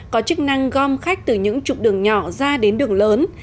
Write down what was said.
có chức năng gom khách từ những trục đường nhỏ ra đến đường lớn